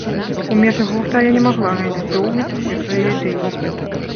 У межах гурта я не магла рэалізоўваць усе свае ідэі.